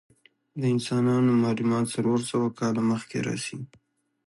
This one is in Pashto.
د انسانانو معلومات څلور سوه کاله مخکې رسی.